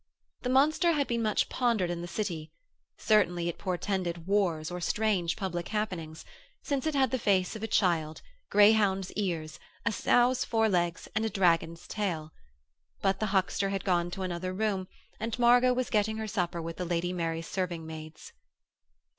The monster had been much pondered in the city; certainly it portended wars or strange public happenings, since it had the face of a child, greyhound's ears, a sow's forelegs, and a dragon's tail. But the huckster had gone to another room, and Margot was getting her supper with the Lady Mary's serving maids.